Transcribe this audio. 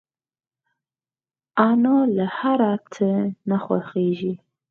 انا له هر څه نه خوښيږي